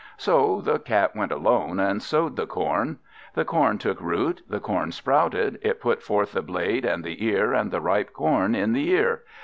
So the Cat went alone, and sowed the corn. The corn took root, the corn sprouted, it put forth the blade, and the ear, and the ripe corn in the ear.